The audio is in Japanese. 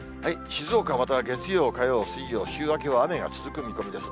静岡はまた月曜、火曜、水曜、週明けは雨が続く見込みです。